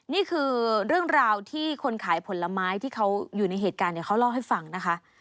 นี่คือเรื่องราวที่คนขายผลไม้ที่เขาอยู่ในเหตุการณ์เขาเล่าให้ฟังนะคะ